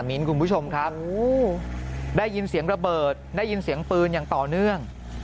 มิ้นคุณผู้ชมครับได้ยินเสียงระเบิดได้ยินเสียงปืนอย่างต่อเนื่อง